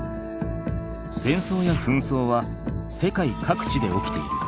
戦争や紛争は世界各地で起きている。